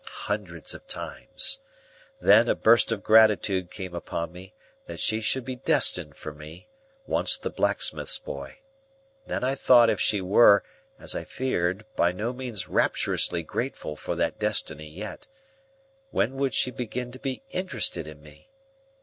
hundreds of times. Then, a burst of gratitude came upon me, that she should be destined for me, once the blacksmith's boy. Then I thought if she were, as I feared, by no means rapturously grateful for that destiny yet, when would she begin to be interested in me?